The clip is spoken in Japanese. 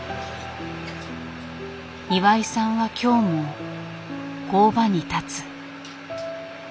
岩井さんは今日も工場に立つ。